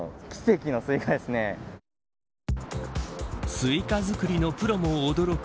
スイカ作りのプロも驚く